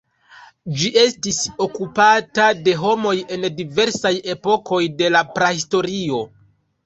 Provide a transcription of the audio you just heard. Ĝi estis okupata de homoj en diversaj epokoj de la Prahistorio.